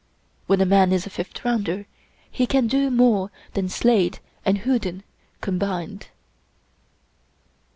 When a man is a "fifth rounder" he can do more than Slade and Houdin combined.